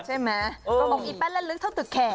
ใช่ไหมบางคนอีกแป๊บแล้วลึกเท่าตึกแขก